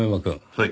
はい。